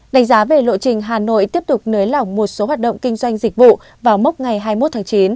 đánh giá về lộ trình hà nội tiếp tục nới lỏng một số hoạt động kinh doanh dịch vụ vào mốc ngày hai mươi một tháng chín